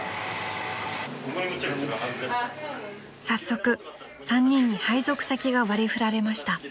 ［早速３人に配属先が割り振られました］